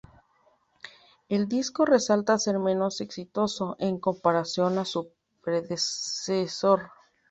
El disco resulta ser menos exitoso en comparación a su predecesor.